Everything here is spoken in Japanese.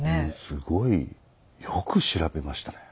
すごい。よく調べましたねぇ。